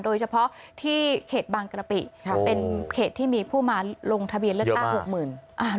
โดยเฉพาะที่เขตบางกระปิเป็นเขตที่มีผู้มาลงทะเบียนเลือกตั้งหกหมื่น